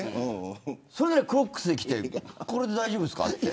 それなのにクロックスで来てるのこれで大丈夫ですかって。